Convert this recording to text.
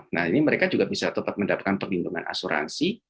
nah ini mereka juga bisa tetap mendapatkan perlindungan asuransi